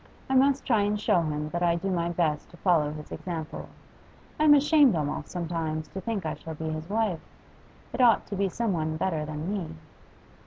I must try and show him that I do my best to follow his example. I'm ashamed almost, sometimes, to think I shall be his wife. It ought to be some one better than me.